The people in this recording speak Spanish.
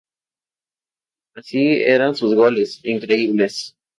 Así eran sus goles, increíbles.